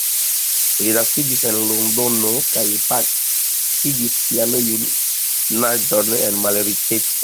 Li naskiĝis en Londono kaj pasigis sian junaĝon en malriĉeco.